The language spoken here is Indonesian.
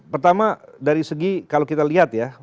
pertama dari segi kalau kita lihat ya